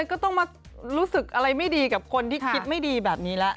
ก็ต้องมารู้สึกอะไรไม่ดีกับคนที่คิดไม่ดีแบบนี้แล้ว